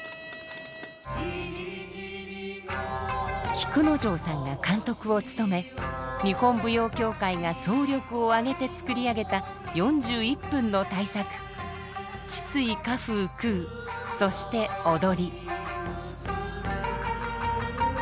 菊之丞さんが監督を務め日本舞踊協会が総力を挙げて作り上げた４１分の大作「地水火風空そして、踊」。